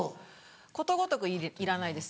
ことごとくいらないです。